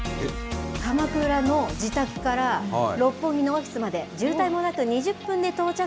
鎌倉の自宅から六本木のオフィスまで、渋滞もなく２０分で到着。